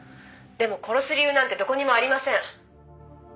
「でも殺す理由なんてどこにもありません」